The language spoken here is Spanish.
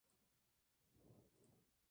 Ambos bandos se adjudicaron la victoria.